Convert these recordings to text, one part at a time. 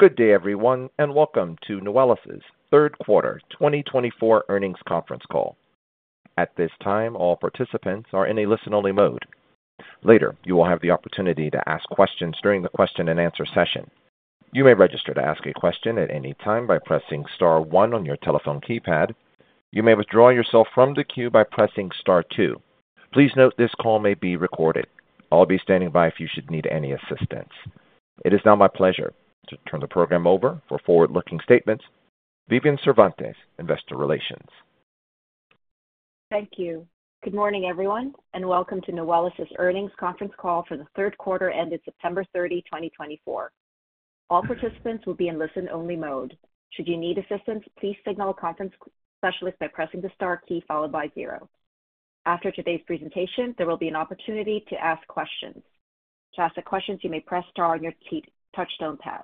Good day, everyone, and welcome to Nuwellis'third quarter 2024 earnings conference call. At this time, all participants are in a listen-only mode. Later, you will have the opportunity to ask questions during the question-and-answer session. You may register to ask a question at any time by pressing Star 1 on your telephone keypad. You may withdraw yourself from the queue by pressing Star 2. Please note this call may be recorded. I'll be standing by if you should need any assistance. It is now my pleasure to turn the program over for forward-looking statements. Vivian Cervantes, Investor Relations. Thank you. Good morning, everyone, and welcome to Nuwellis' earnings conference call for the third quarter ended September 30, 2024. All participants will be in listen-only mode. Should you need assistance, please signal a conference specialist by pressing the Star key followed by Zero. After today's presentation, there will be an opportunity to ask questions. To ask a question, you may press Star on your touchtone pad.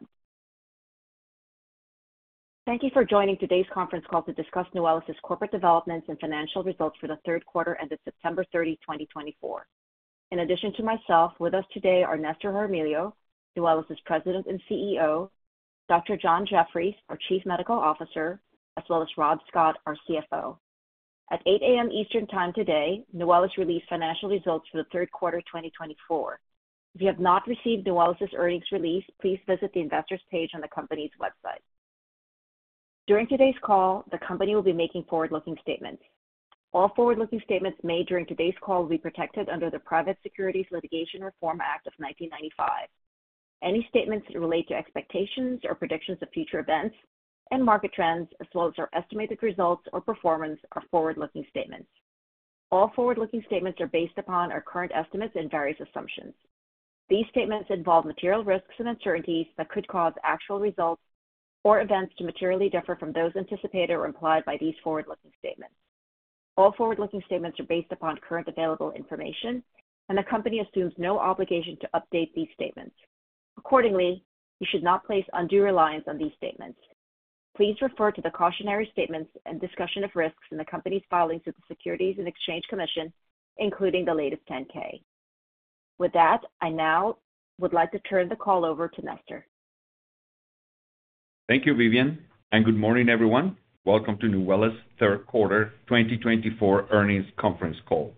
Thank you for joining today's conference call to discuss Nuwellis' corporate developments and financial results for the third quarter ended September 30, 2024. In addition to myself, with us today are Nestor Jaramillo, Nuwellis' President and CEO, Dr. John Jefferies, our Chief Medical Officer, as well as Rob Scott, our CFO. At 8:00 A.M. Eastern Time today, Nuwellis released financial results for the third quarter 2024. If you have not received Nuwellis' earnings release, please visit the investors' page on the company's website. During today's call, the company will be making forward-looking statements. All forward-looking statements made during today's call will be protected under the Private Securities Litigation Reform Act of 1995. Any statements that relate to expectations or predictions of future events and market trends, as well as our estimated results or performance, are forward-looking statements. All forward-looking statements are based upon our current estimates and various assumptions. These statements involve material risks and uncertainties that could cause actual results or events to materially differ from those anticipated or implied by these forward-looking statements. All forward-looking statements are based upon current available information, and the company assumes no obligation to update these statements. Accordingly, you should not place undue reliance on these statements. Please refer to the cautionary statements and discussion of risks in the company's filings with the Securities and Exchange Commission, including the latest 10-K. With that, I now would like to turn the call over to Nestor. Thank you, Vivian, and good morning, everyone. Welcome to Nuwellis' third quarter 2024 earnings conference call.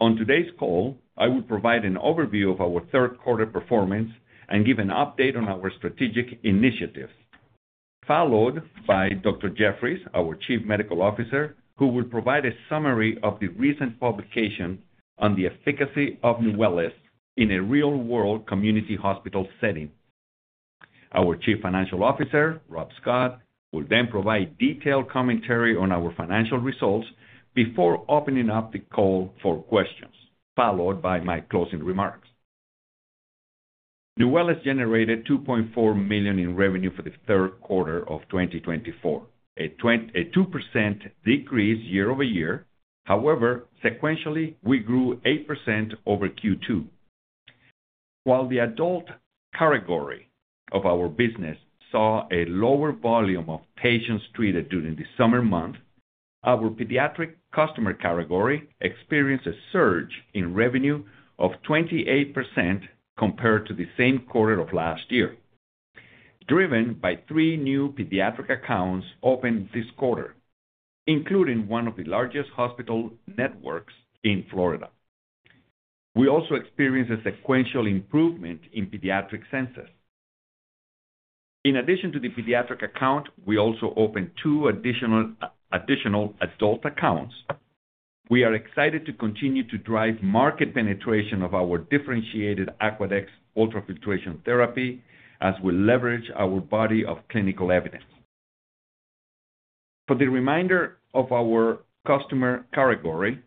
On today's call, I will provide an overview of our third quarter performance and give an update on our strategic initiatives, followed by Dr. Jefferies, our Chief Medical Officer, who will provide a summary of the recent publication on the efficacy of Nuwellis in a real-world community hospital setting. Our Chief Financial Officer, Rob Scott, will then provide detailed commentary on our financial results before opening up the call for questions, followed by my closing remarks. Nuwellis generated $2.4 million in revenue for the third quarter of 2024, a 2% decrease year over year. However, sequentially, we grew 8% over Q2. While the adult category of our business saw a lower volume of patients treated during the summer month, our pediatric customer category experienced a surge in revenue of 28% compared to the same quarter of last year, driven by three new pediatric accounts opened this quarter, including one of the largest hospital networks in Florida. We also experienced a sequential improvement in pediatric census. In addition to the pediatric account, we also opened two additional adult accounts. We are excited to continue to drive market penetration of our differentiated Aquadex ultrafiltration therapy as we leverage our body of clinical evidence. For the remainder of our customer category,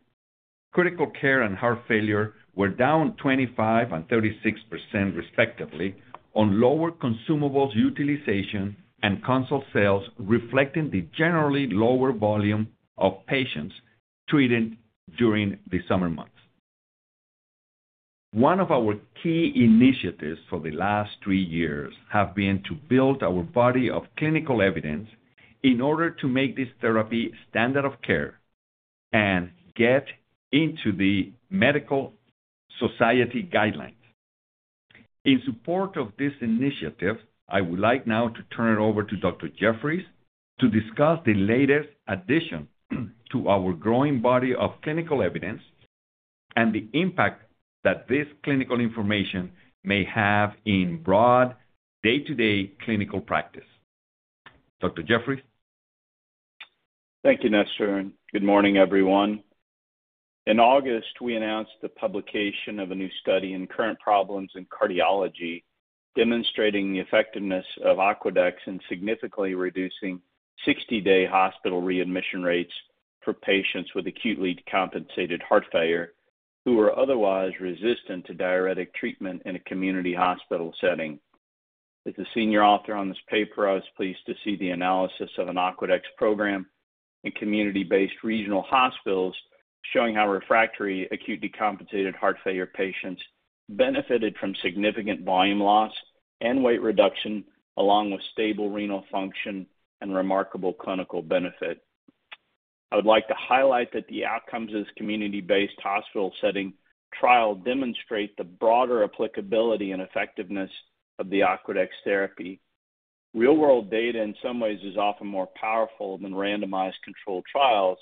critical care and heart failure were down 25% and 36%, respectively, on lower consumables utilization and console sales, reflecting the generally lower volume of patients treated during the summer months. One of our key initiatives for the last three years has been to build our body of clinical evidence in order to make this therapy standard of care and get into the medical society guidelines. In support of this initiative, I would like now to turn it over to Dr. Jefferies to discuss the latest addition to our growing body of clinical evidence and the impact that this clinical information may have in broad day-to-day clinical practice. Dr. Jefferies. Thank you, Nestor. And good morning, everyone. In August, we announced the publication of a new study in Current Problems in Cardiology, demonstrating the effectiveness of Aquadex in significantly reducing 60-day hospital readmission rates for patients with acute decompensated heart failure who were otherwise resistant to diuretic treatment in a community hospital setting. As a senior author on this paper, I was pleased to see the analysis of an Aquadex program in community-based regional hospitals showing how refractory acute decompensated heart failure patients benefited from significant volume loss and weight reduction, along with stable renal function and remarkable clinical benefit. I would like to highlight that the outcomes of this community-based hospital setting trial demonstrate the broader applicability and effectiveness of the Aquadex therapy. Real-world data, in some ways, is often more powerful than randomized controlled trials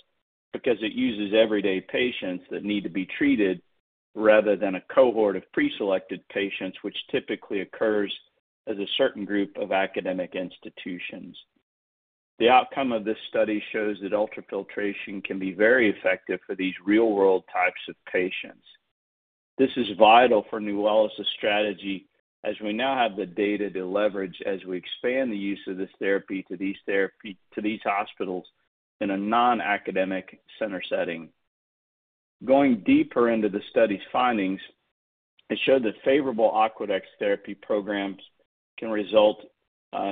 because it uses everyday patients that need to be treated rather than a cohort of preselected patients, which typically occurs as a certain group of academic institutions. The outcome of this study shows that ultrafiltration can be very effective for these real-world types of patients. This is vital for Nuwellis' strategy as we now have the data to leverage as we expand the use of this therapy to these hospitals in a non-academic center setting. Going deeper into the study's findings, it showed that favorable Aquadex therapy programs can result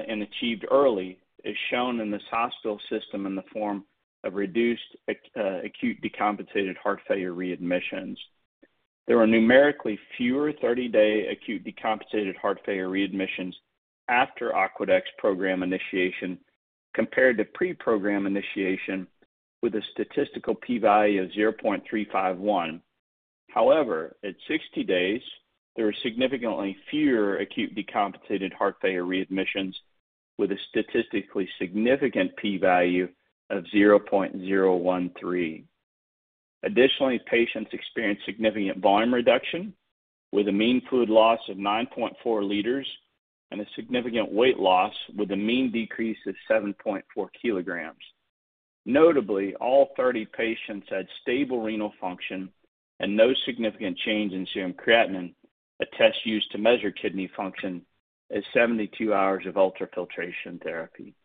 in achieved early, as shown in this hospital system in the form of reduced acute decompensated heart failure readmissions. There are numerically fewer 30-day acute decompensated heart failure readmissions after Aquadex program initiation compared to pre-program initiation with a statistical P-value of 0.351. However, at 60 days, there are significantly fewer acute decompensated heart failure readmissions with a statistically significant P-value of 0.013. Additionally, patients experienced significant volume reduction with a mean fluid loss of 9.4 liters and a significant weight loss with a mean decrease of 7.4 kilograms. Notably, all 30 patients had stable renal function and no significant change in serum creatinine, a test used to measure kidney function at 72 hours of ultrafiltration therapy.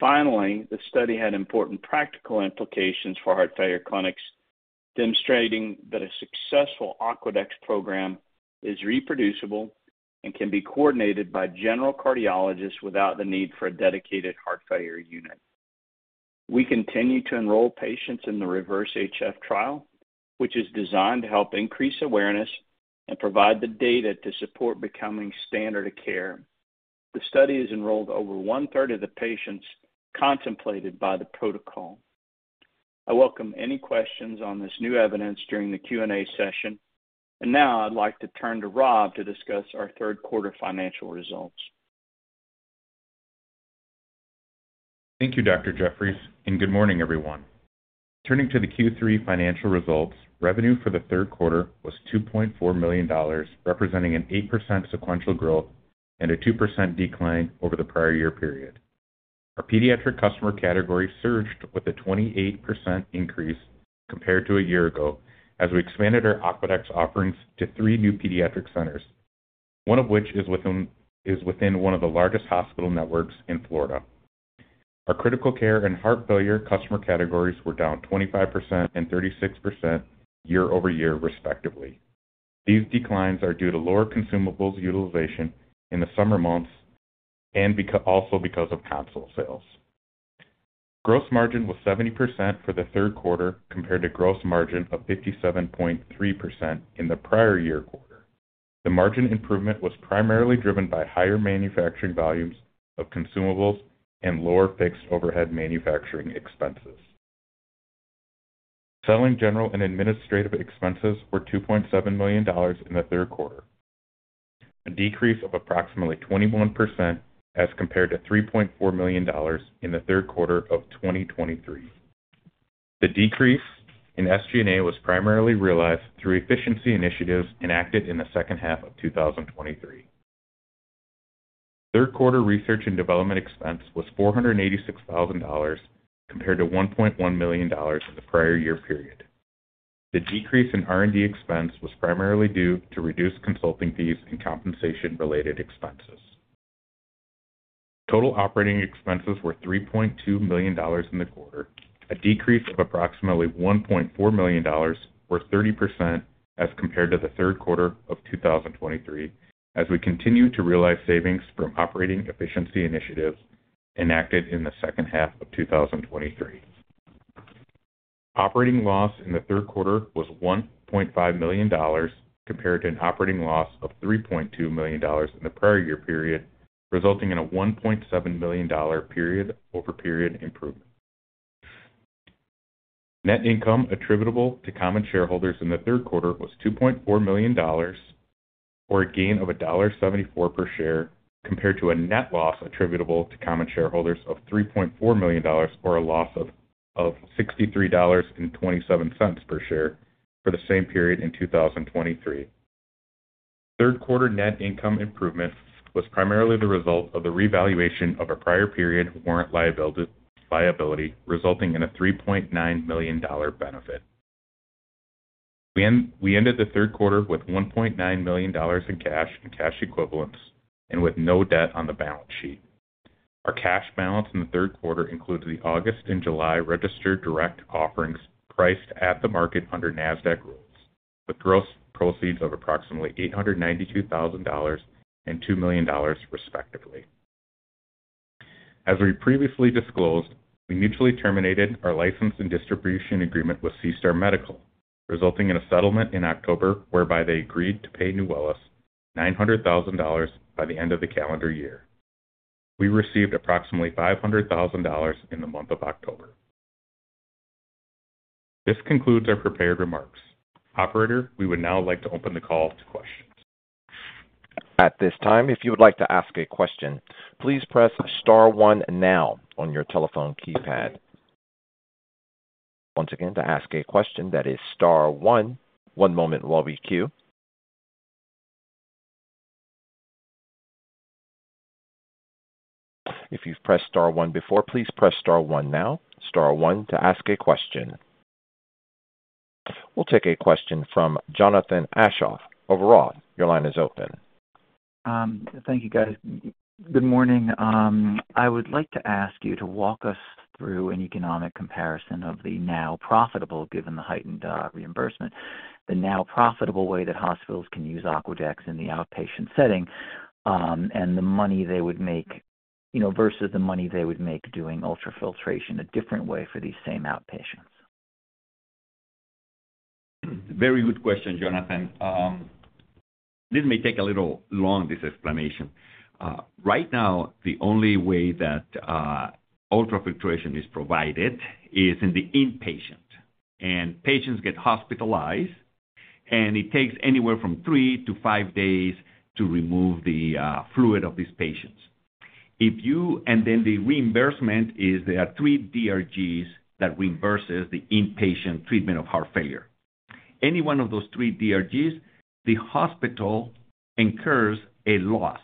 Finally, the study had important practical implications for heart failure clinics, demonstrating that a successful Aquadex program is reproducible and can be coordinated by general cardiologists without the need for a dedicated heart failure unit. We continue to enroll patients in the REVERSE-HF trial, which is designed to help increase awareness and provide the data to support becoming standard of care. The study has enrolled over one-third of the patients contemplated by the protocol. I welcome any questions on this new evidence during the Q&A session. And now I'd like to turn to Rob to discuss our third quarter financial results. Thank you, Dr. Jefferies, and good morning, everyone. Turning to the Q3 financial results, revenue for the third quarter was $2.4 million, representing an 8% sequential growth and a 2% decline over the prior year period. Our pediatric customer category surged with a 28% increase compared to a year ago as we expanded our Aquadex offerings to three new pediatric centers, one of which is within one of the largest hospital networks in Florida. Our critical care and heart failure customer categories were down 25% and 36% year over year, respectively. These declines are due to lower consumables utilization in the summer months and also because of console sales. Gross margin was 70% for the third quarter compared to gross margin of 57.3% in the prior year quarter. The margin improvement was primarily driven by higher manufacturing volumes of consumables and lower fixed overhead manufacturing expenses. Selling general and administrative expenses were $2.7 million in the third quarter, a decrease of approximately 21% as compared to $3.4 million in the third quarter of 2023. The decrease in SG&A was primarily realized through efficiency initiatives enacted in the second half of 2023. Third quarter research and development expense was $486,000 compared to $1.1 million in the prior year period. The decrease in R&D expense was primarily due to reduced consulting fees and compensation-related expenses. Total operating expenses were $3.2 million in the quarter, a decrease of approximately $1.4 million, or 30%, as compared to the third quarter of 2023, as we continue to realize savings from operating efficiency initiatives enacted in the second half of 2023. Operating loss in the third quarter was $1.5 million compared to an operating loss of $3.2 million in the prior year period, resulting in a $1.7 million period-over-period improvement. Net income attributable to common shareholders in the third quarter was $2.4 million, or a gain of $1.74 per share, compared to a net loss attributable to common shareholders of $3.4 million, or a loss of $63.27 per share for the same period in 2023. Third quarter net income improvement was primarily the result of the revaluation of a prior period warrant liability, resulting in a $3.9 million benefit. We ended the third quarter with $1.9 million in cash and cash equivalents and with no debt on the balance sheet. Our cash balance in the third quarter included the August and July registered direct offerings priced at the market under Nasdaq rules, with gross proceeds of approximately $892,000 and $2 million, respectively. As we previously disclosed, we mutually terminated our license and distribution agreement with SeaStar Medical, resulting in a settlement in October whereby they agreed to pay Nuwellis $900,000 by the end of the calendar year. We received approximately $500,000 in the month of October. This concludes our prepared remarks. Operator, we would now like to open the call to questions. At this time, if you would like to ask a question, please press Star 1 now on your telephone keypad. Once again, to ask a question, that is Star 1. One moment while we queue. If you've pressed Star 1 before, please press Star 1 now. Star 1 to ask a question. We'll take a question from Jonathan Aschoff. Overall, your line is open. Thank you, guys. Good morning. I would like to ask you to walk us through an economic comparison of the now profitable, given the heightened reimbursement, the now profitable way that hospitals can use Aquadex in the outpatient setting and the money they would make versus the money they would make doing ultrafiltration a different way for these same outpatients? Very good question, Jonathan. This may take a little long, this explanation. Right now, the only way that ultrafiltration is provided is in the inpatient, and patients get hospitalized, and it takes anywhere from three to five days to remove the fluid of these patients, and then the reimbursement is there are three DRGs that reimburses the inpatient treatment of heart failure. Any one of those three DRGs, the hospital incurs a loss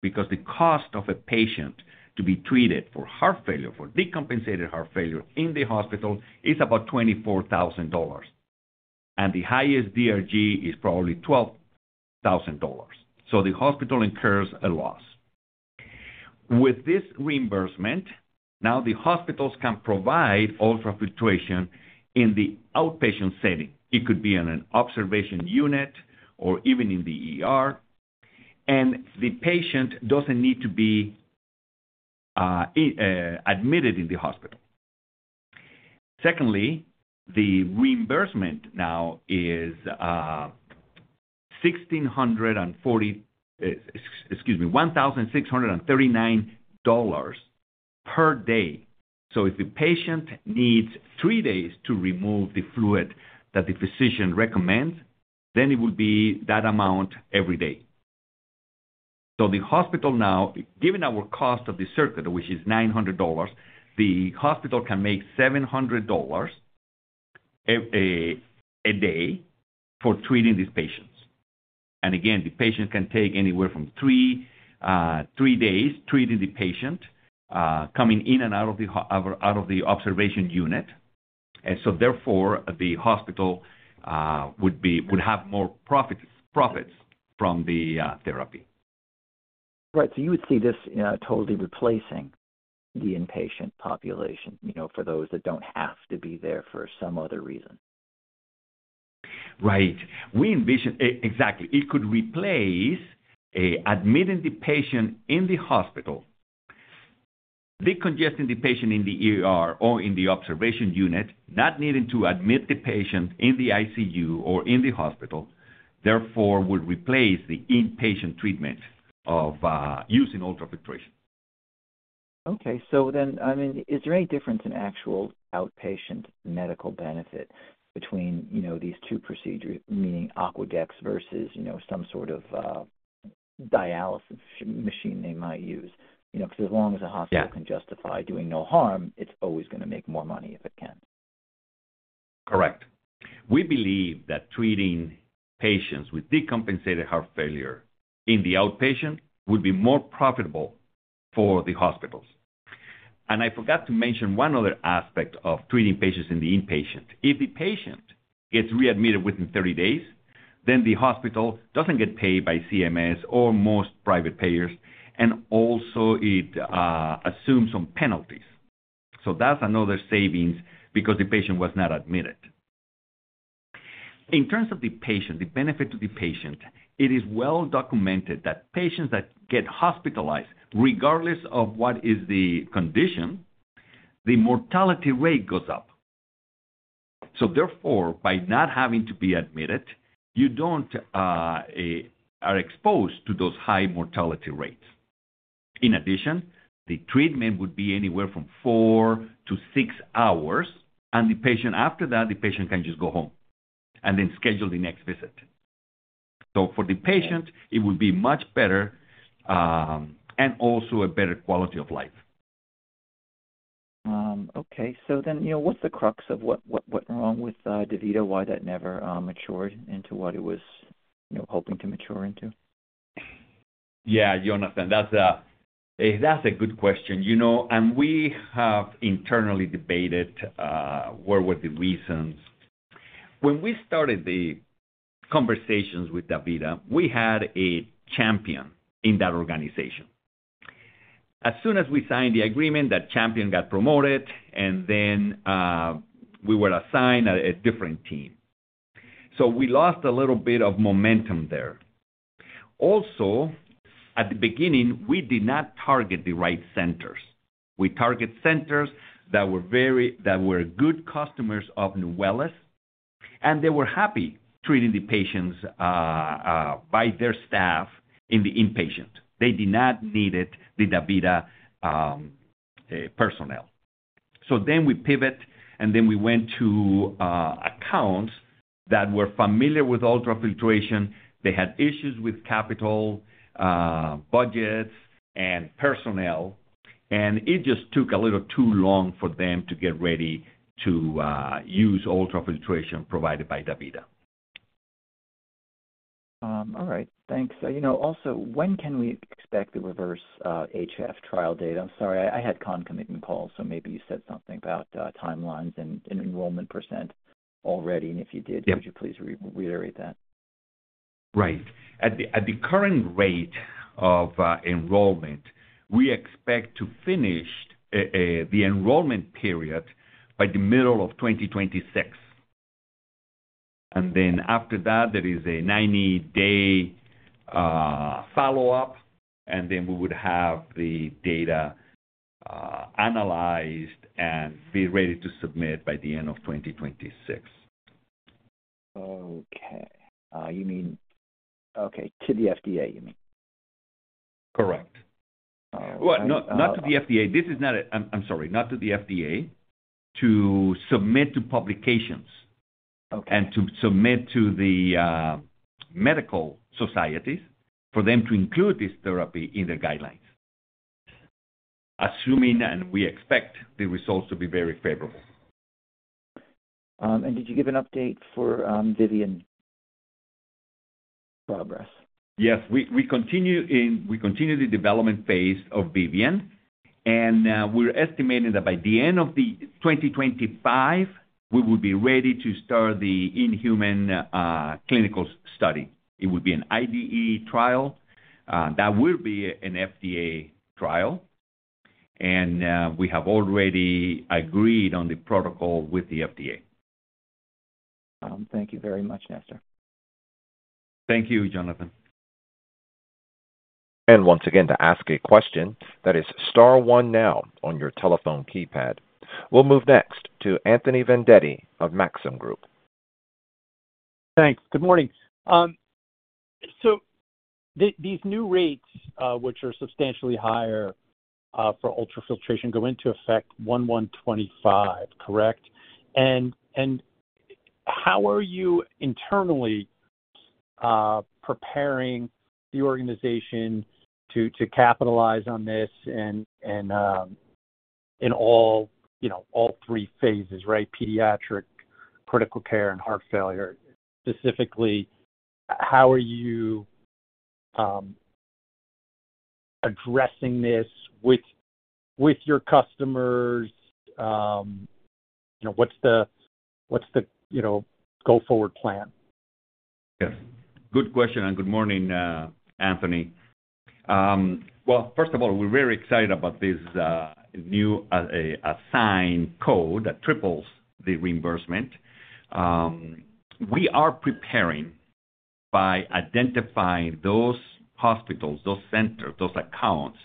because the cost of a patient to be treated for heart failure, for decompensated heart failure in the hospital, is about $24,000, and the highest DRG is probably $12,000, so the hospital incurs a loss. With this reimbursement, now the hospitals can provide ultrafiltration in the outpatient setting. It could be in an observation unit or even in the, and the patient doesn't need to be admitted in the hospital. Secondly, the reimbursement now is $1,639 per day. So if the patient needs three days to remove the fluid that the physician recommends, then it will be that amount every day. So the hospital now, given our cost of the circuit, which is $900, the hospital can make $700 a day for treating these patients. And again, the patient can take anywhere from three days treating the patient, coming in and out of the observation unit. And so therefore, the hospital would have more profits from the therapy. Right. So you would see this totally replacing the inpatient population for those that don't have to be there for some other reason. Right. Exactly. It could replace admitting the patient in the hospital, decongesting the patient in the observation unit, not needing to admit the patient in the ICU or in the hospital, therefore would replace the inpatient treatment of using ultrafiltration. Okay. So then, I mean, is there any difference in actual outpatient medical benefit between these two procedures, meaning Aquadex versus some sort of dialysis machine they might use? Because as long as a hospital can justify doing no harm, it's always going to make more money if it can. Correct. We believe that treating patients with decompensated heart failure in the outpatient would be more profitable for the hospitals. And I forgot to mention one other aspect of treating patients in the inpatient. If the patient gets readmitted within 30 days, then the hospital doesn't get paid by CMS or most private payers, and also it assumes some penalties. So that's another savings because the patient was not admitted. In terms of the patient, the benefit to the patient, it is well documented that patients that get hospitalized, regardless of what is the condition, the mortality rate goes up. So therefore, by not having to be admitted, you don't are exposed to those high mortality rates. In addition, the treatment would be anywhere from four to six hours, and the patient after that, the patient can just go home and then schedule the next visit. So for the patient, it would be much better and also a better quality of life. Okay. So then what's the crux of what went wrong with DaVita? Why that never matured into what it was hoping to mature into? Yeah, Jonathan, that's a good question, and we have internally debated what were the reasons. When we started the conversations with DaVita, we had a champion in that organization. As soon as we signed the agreement, that champion got promoted, and then we were assigned a different team, so we lost a little bit of momentum there. Also, at the beginning, we did not target the right centers. We targeted centers that were good customers of Nuwellis, and they were happy treating the patients by their staff in the inpatient. They did not need the DaVita personnel, so then we pivoted, and then we went to accounts that were familiar with ultrafiltration. They had issues with capital, budgets, and personnel, and it just took a little too long for them to get ready to use ultrafiltration provided by DaVita. All right. Thanks. Also, when can we expect the REVERSE-HF trial date? I'm sorry. I had concomitant calls, so maybe you said something about timelines and enrollment percent already. And if you did, would you please reiterate that? Right. At the current rate of enrollment, we expect to finish the enrollment period by the middle of 2026. And then after that, there is a 90-day follow-up, and then we would have the data analyzed and be ready to submit by the end of 2026. Okay. You mean, okay, to the FDA, you mean? Correct. Well, not to the FDA. This is not a, I'm sorry, not to the FDA, to submit to publications and to submit to the medical societies for them to include this therapy in their guidelines, assuming, and we expect the results to be very favorable. Did you give an update for Vivian progress? Yes. We continue the development phase of Vivian, and we're estimating that by the end of 2025, we would be ready to start the human clinical study. It would be an IDE trial. That will be an FDA trial, and we have already agreed on the protocol with the FDA. Thank you very much, Nestor. Thank you, Jonathan. Once again, to ask a question, that is Star 1 now on your telephone keypad. We'll move next to Anthony Vendetti of Maxim Group. Thanks. Good morning. So these new rates, which are substantially higher for ultrafiltration, go into effect 1/1/2025, correct? And how are you internally preparing the organization to capitalize on this in all three phases, right? Pediatric, critical care, and heart failure. Specifically, how are you addressing this with your customers? What's the go-forward plan? Yes. Good question and good morning, Anthony. Well, first of all, we're very excited about this new assigned code that triples the reimbursement. We are preparing by identifying those hospitals, those centers, those accounts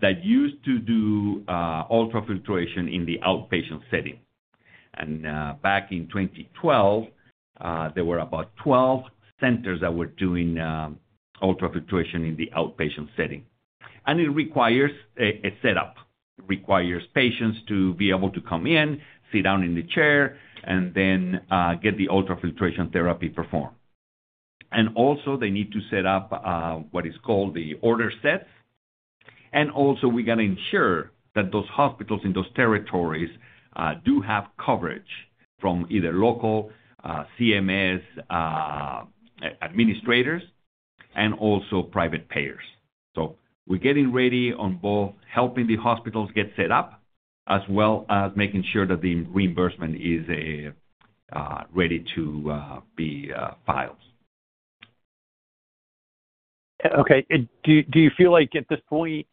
that used to do ultrafiltration in the outpatient setting. And back in 2012, there were about 12 centers that were doing ultrafiltration in the outpatient setting. And it requires a setup. It requires patients to be able to come in, sit down in the chair, and then get the ultrafiltration therapy performed. And also, they need to set up what is called the order sets. And also, we got to ensure that those hospitals in those territories do have coverage from either local CMS administrators and also private payers. So we're getting ready on both helping the hospitals get set up as well as making sure that the reimbursement is ready to be filed. Okay. Do you feel like at this point,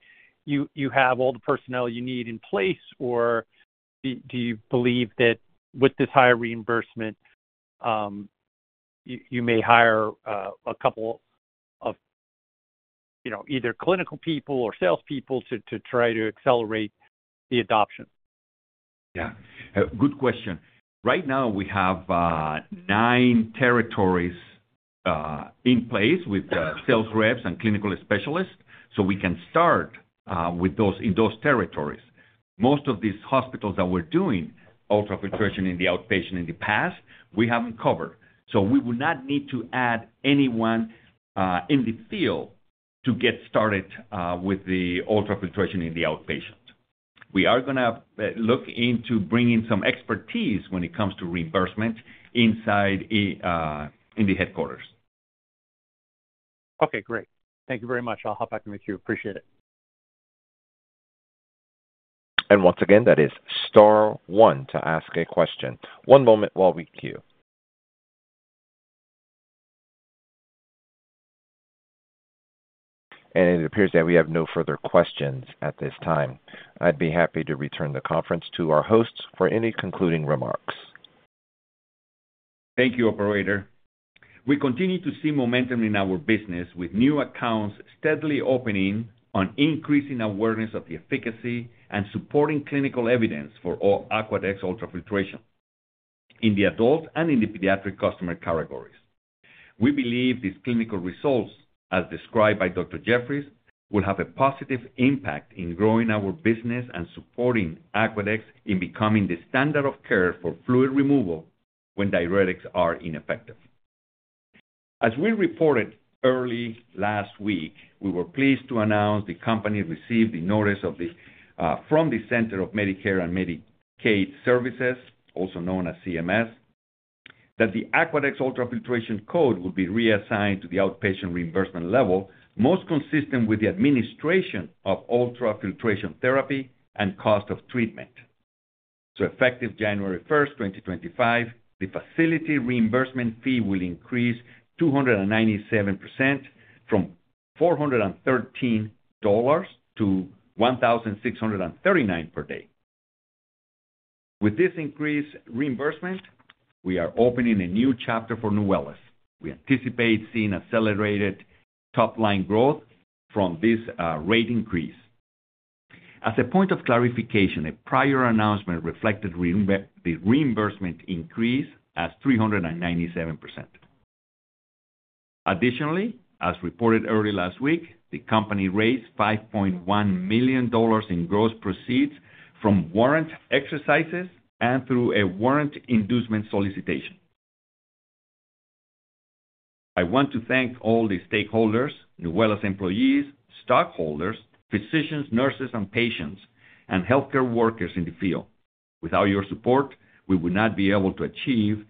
you have all the personnel you need in place, or do you believe that with this higher reimbursement, you may hire a couple of either clinical people or salespeople to try to accelerate the adoption? Yeah. Good question. Right now, we have nine territories in place with sales reps and clinical specialists. So we can start with those in those territories. Most of these hospitals that were doing ultrafiltration in the outpatient in the past, we haven't covered. So we will not need to add anyone in the field to get started with the ultrafiltration in the outpatient. We are going to look into bringing some expertise when it comes to reimbursement inside in the headquarters. Okay. Great. Thank you very much. I'll hop back in with you. Appreciate it. And once again, that is star 1 to ask a question. One moment while we queue. And it appears that we have no further questions at this time. I'd be happy to return the conference to our hosts for any concluding remarks. Thank you, Operator. We continue to see momentum in our business with new accounts steadily opening on increasing awareness of the efficacy and supporting clinical evidence for Aquadex ultrafiltration in the adult and in the pediatric customer categories. We believe these clinical results, as described by Dr. Jefferies, will have a positive impact in growing our business and supporting Aquadex in becoming the standard of care for fluid removal when diuretics are ineffective. As we reported early last week, we were pleased to announce the company received the notice from the Centers for Medicare & Medicaid Services, also known as CMS, that the Aquadex ultrafiltration code will be reassigned to the outpatient reimbursement level, most consistent with the administration of ultrafiltration therapy and cost of treatment. So effective January 1st, 2025, the facility reimbursement fee will increase 297% from $413 to $1,639 per day. With this increased reimbursement, we are opening a new chapter for Nuwellis. We anticipate seeing accelerated top-line growth from this rate increase. As a point of clarification, a prior announcement reflected the reimbursement increase as 397%. Additionally, as reported early last week, the company raised $5.1 million in gross proceeds from warrant exercises and through a warrant inducement solicitation. I want to thank all the stakeholders, Nuwellis employees, stockholders, physicians, nurses, and patients, and healthcare workers in the field. Without your support, we would not be able to achieve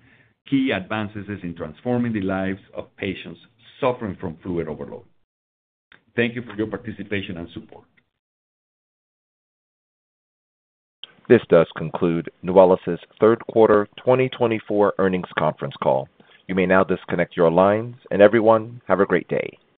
key advances in transforming the lives of patients suffering from fluid overload. Thank you for your participation and support. This does conclude Nuwellis' third quarter 2024 earnings conference call. You may now disconnect your lines. Everyone, have a great day.